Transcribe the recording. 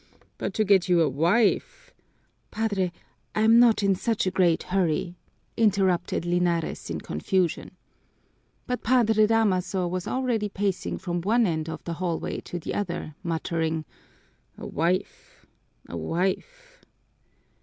But to get you a wife " "Padre, I'm not in such a great hurry," interrupted Linares in confusion. But Padre Damaso was already pacing from one end of the hallway to the other, muttering, "A wife, a wife!"